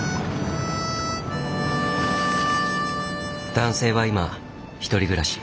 男性は今１人暮らし。